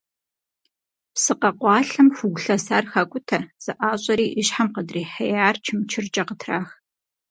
Псы къэкъуалъэм хугу лъэсар хакӏутэ, зэӏащӏэри и щхьэм къыдрихьеяр чымчыркӏэ къытрах.